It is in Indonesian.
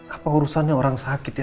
apa urusannya orang sakit ya